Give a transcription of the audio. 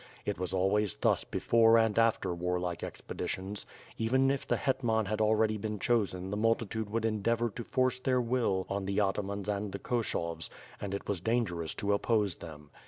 It was al WITH FIRE AND SWORD. ^^^ ways thus before and after warlike expeditions; even if the hetman had already been chosen the multitude would en deavor to force their will on the atamans and the Koshovs, and it was dangerous to oppose them.